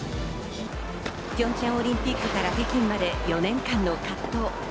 ピョンチャンオリンピックから北京まで４年間の葛藤。